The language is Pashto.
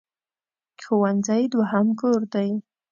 ښوونځی دوهم کور دی.